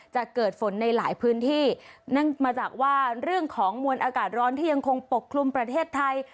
จะเกิดฝนในหลายพื้นที่นั่นมาจากว่าเรื่องของมวลอากาศร้อนที่ยังคงปกคลุมประเทศไทย